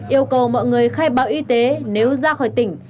yêu cầu mọi người khai báo y tế nếu ra khỏi tỉnh